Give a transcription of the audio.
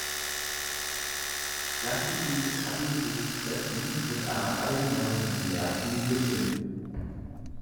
Lassen Sie mich angesichts dessen mit einer allgemeinen Bemerkung beginnen.